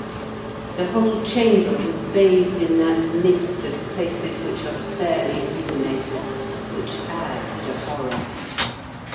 The whole chamber was bathed in that mist of places which are sparely illuminated, which adds to horror.